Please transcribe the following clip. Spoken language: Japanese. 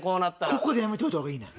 ここでやめといた方がいいねん。